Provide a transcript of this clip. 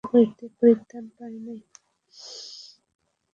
তাহারা পণ্ডিত মাত্র, কিন্তু ইন্দ্রিয়ের দাসত্ব হইতে পরিত্রাণ পায় নাই।